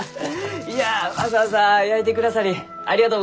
いやわざわざ焼いてくださりありがとうございます。